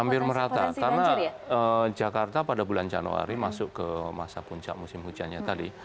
hampir merata karena jakarta pada bulan januari masuk ke masa puncak musim hujannya tadi